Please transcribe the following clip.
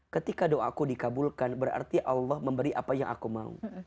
ketika doaku dikabulkan berarti allah memberi apa yang aku mau